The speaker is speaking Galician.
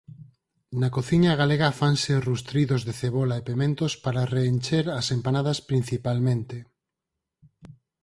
Na cociña galega fanse rustridos de cebola e pementos para reencher as empanadas principalmente.